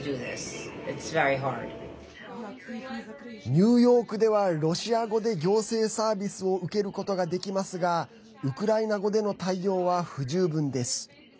ニューヨークではロシア語で行政サービスを受けることができますがウクライナ語での対応は不十分です。